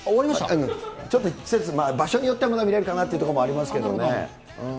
ちょっと季節、場所によってはまだ見れるかなっていうところもありますけど。